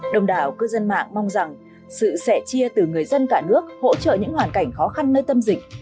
đồng đảo cư dân mạng mong rằng sự sẻ chia từ người dân cả nước hỗ trợ những hoàn cảnh khó khăn nơi tâm dịch